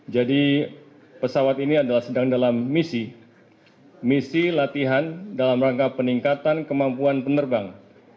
jadi pesawat ini adalah sedang dalam misi misi latihan dalam rangka peningkatan kemampuan penerbang